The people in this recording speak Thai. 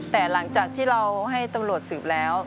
แต่หลังจากที่เราให้ตำรวจสืบแล้ว